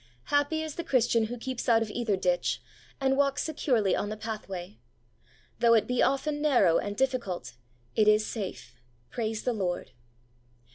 Happy is the Christian who keeps out of either ditch, and walks securely on the path way. Though it be often narrow and diffi cult, it is safe. Praise the Lord